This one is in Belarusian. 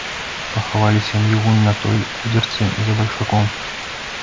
Пахавалі сям'ю вунь на той кудзерцы за бальшаком.